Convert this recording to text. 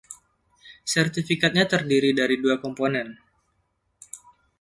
Sertifikatnya terdiri dari dua komponen.